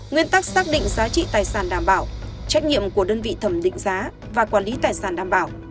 nguyên tắc xác định giá trị tài sản đảm bảo trách nhiệm của đơn vị thẩm định giá và quản lý tài sản đảm bảo